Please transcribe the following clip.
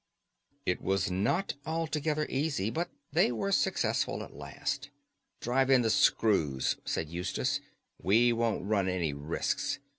It was not altogether easy, but they were successful at last. "Drive in the screws," said Eustace, "we won't run any risks.